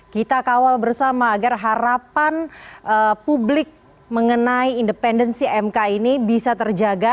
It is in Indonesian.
kita kawal bersama agar harapan publik mengenai independensi mk ini bisa terjaga